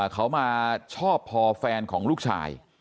เขามาชอบพอแฟนของลูกชาย